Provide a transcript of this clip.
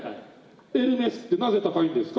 エルメスってなぜ高いんですか？